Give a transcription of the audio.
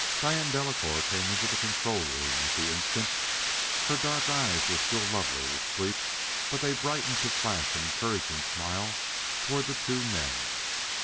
Diane Delacouer came into the control room at the instant; her dark eyes were still lovely with sleep, but they brightened to flash an encouraging smile toward the two men.